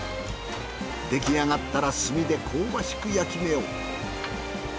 出来上がったら炭で香ばしく焼き目を。